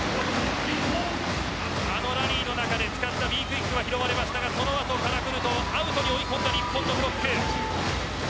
ラリーの中で使ったＢクイックは拾われましたがそのあとカラクルトをアウトに追い込んだ日本のブロック。